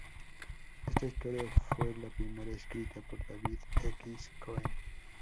Esta historia fue la primera escrita por David X. Cohen.